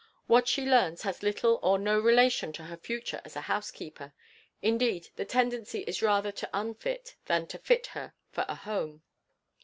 What she learns has little or no relation to her future as a housekeeper indeed, the tendency is rather to unfit than to fit her for a home.